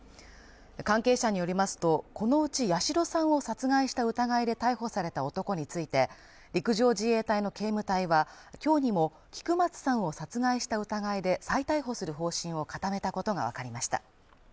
関係者によりますと、このうち八代さんを殺害した疑いで逮捕された男について、陸上自衛隊の警務隊は今日にも菊松さんを殺害した疑いで再逮捕する方針を固めたことがわかりました。